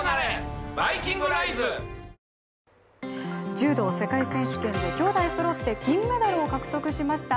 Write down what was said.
柔道世界選手権できょうだいそろって金メダルを獲得しました